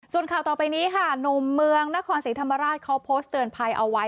ส่วนข่าวต่อไปนี้ค่ะหนุ่มเมืองนครศรีธรรมราชเขาโพสต์เตือนภัยเอาไว้